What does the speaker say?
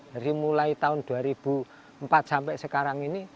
dari mulai tahun dua ribu empat sampai sekarang ini